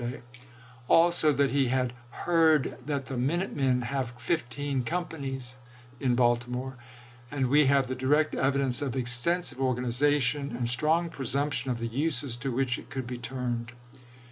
day ; also that he had " heard that the minute men have fifteen companies" in Baltimore — and we have the direct evidence of extensive organization, brforetiS and strong presumption of the uses to which it mitteeof n Five, pp. could be turned.